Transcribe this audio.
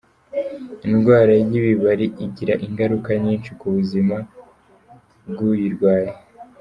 Indwara y’ibibari igira ingaruka nyinshi ku buzima bw’uyirwaye.